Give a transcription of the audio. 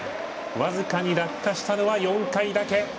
僅かに落下したのは４回だけ。